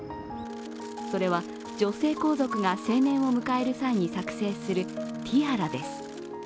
それは、女性皇族が成年を迎える際に作成するティアラです